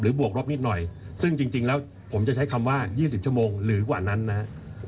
บวกรบนิดหน่อยซึ่งจริงแล้วผมจะใช้คำว่า๒๐ชั่วโมงหรือกว่านั้นนะฮะ